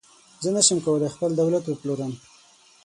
زه نشم کولای خپل دولت وپلورم.